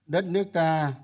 đất nước ta